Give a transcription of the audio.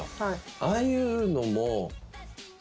ああいうのも。